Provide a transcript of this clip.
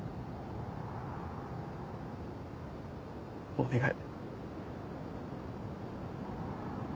お願い。